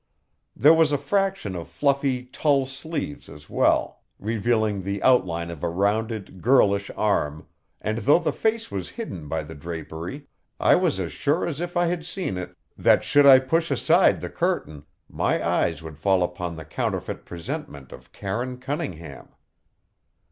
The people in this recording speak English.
There was a fraction of fluffy tulle sleeve as well, revealing the outline of a rounded, girlish arm, and though the face was hidden by the drapery, I was as sure as if I had seen it, that should I push aside the curtain my eyes would fall upon the counterfeit presentment of Karine Cunningham.